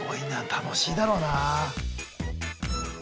楽しいだろうな。